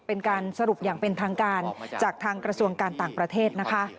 เป็นการสรุปอย่างเป็นทางการจากทางกระทรวงการต่างประเทศนะคะ